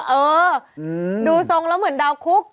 เออดูทรงแล้วเหมือนดาวคุก